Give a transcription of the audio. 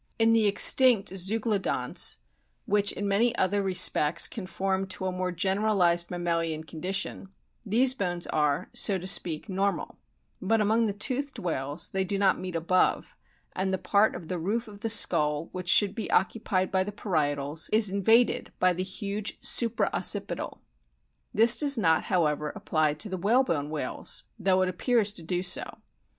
In the extinct Zeuglodonts, which in many other respects conform to a more generalised mammalian condition, these bones are, so to speak, normal ; but among the toothed whales they do not meet above, and the part of the roof of the skull which should be occupied by the parietals is invaded by the huge supra occipital. This does not, however, apply to the whalebone whales, though it o appears to do so.